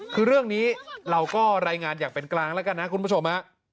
คือเรื่องนี้เราก็รายงานอย่างเป็นกลางแล้วกันนะคุณผู้ชมฮะ